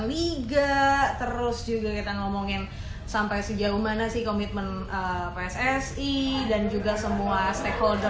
liga terus juga kita ngomongin sampai sejauh mana sih komitmen pssi dan juga semua stakeholder